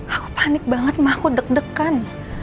aku panik banget mah aku deg degan